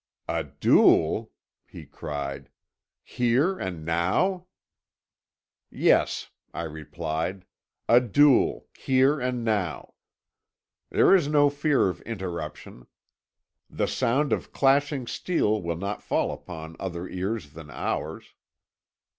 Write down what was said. "'A duel!' he cried. 'Here, and now?' "'Yes,' I replied, 'a duel, here and now. There is no fear of interruption. The sound of clashing steel will not fall upon other ears than ours.'